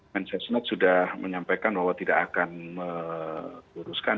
mensesnek sudah menyampaikan bahwa tidak akan meluruskan